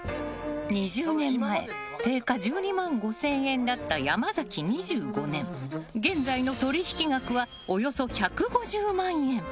２０年前定価１２万５０００円だった山崎２５年現在の取引額はおよそ１５０万円。